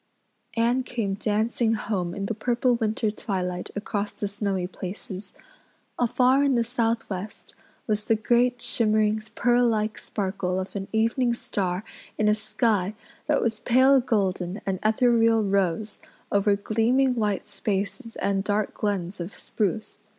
Anne came dancing home in the purple winter twilight across the snowy places. Afar in the southwest was the great shimmering, pearl like sparkle of an evening star in a sky that was pale golden and ethereal rose over gleaming white spaces and dark glens of spruce.